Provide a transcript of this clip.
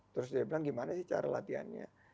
terus dia bilang gimana sih cara latihannya